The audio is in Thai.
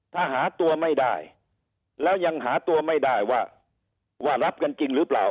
ถ้าหาตัวไม่ได้แล้วยังหาตัวไม่ได้ว่าว่ารับกันจริงหรือเปล่า